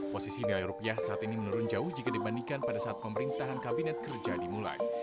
posisi nilai rupiah saat ini menurun jauh jika dibandingkan pada saat pemerintahan kabinet kerja dimulai